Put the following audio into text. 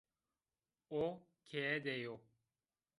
O keye de yo